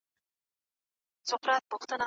تاریخ د واقعیت او تخیل طرز غوره کوي.